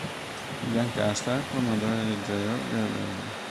Biancastra, con odore leggero, gradevole.